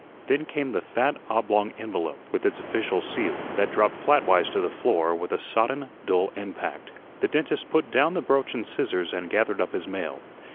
Then came the fat oblong envelope, with its official seal, that dropped flatwise to the floor with a sodden, dull impact. The dentist put down the broach and scissors and gathered up his mail.